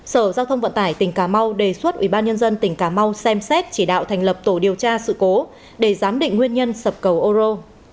sở giao thông vận tải tỉnh cà mau đề xuất ubnd tỉnh cà mau xem xét chỉ đạo thành lập tổ điều tra sự cố để giám định nguyên nhân sập cầu ô rô